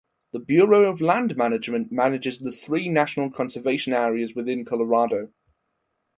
The Bureau of Land Management manages the three National Conservation Areas within Colorado.